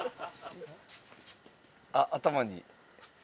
あっ頭に。